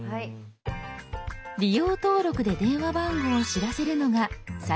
「利用登録」で電話番号を知らせるのが最近の主流。